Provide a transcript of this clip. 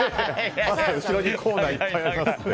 後ろにコーナーいっぱいあります。